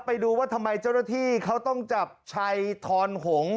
ไปดูว่าทำไมเจ้าหน้าที่เขาต้องจับชัยทอนหง